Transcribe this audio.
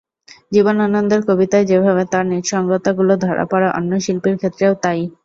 জীবনানন্দের কবিতায় যেভাবে তাঁর নিঃসঙ্গতাগুলো ধরা পড়ে, অন্য শিল্পীর ক্ষেত্রেও তা-ই।